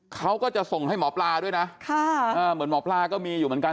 เขาก็จะส่งให้หมอปลาด้วยนะเหมือนหมอปลาก็มีอยู่เหมือนกัน